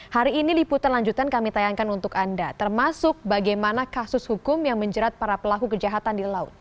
hari ini liputan lanjutan kami tayangkan untuk anda termasuk bagaimana kasus hukum yang menjerat para pelaku kejahatan di laut